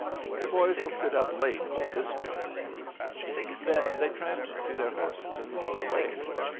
The boys'll sit up late over this joke." Then they tramped to their horses and rode away.